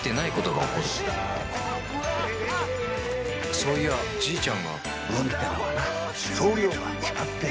そういやじいちゃんが運ってのはな量が決まってるんだよ。